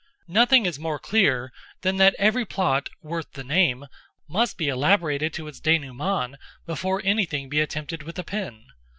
Nothing is more clear than that every plot, worth the name, must be elaborated to its dénouement before anything be attempted with the pen.